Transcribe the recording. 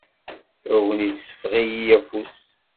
Tagnit teffeɣ-iyi afus.